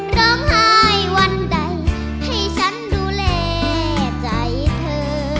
ร้องไห้วันใดให้ฉันดูแลใจเธอ